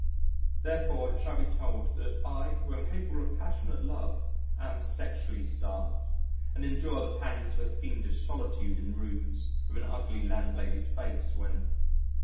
Therefore it shall be told that I who am capable of passionate love am sexually starved, and endure the pangs of a fiendish solitude in rooms, with an ugly landlady's face when